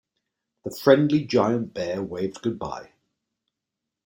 The friendly giant bear waved goodbye.